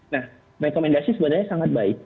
nah rekomendasi sebenarnya sangat baik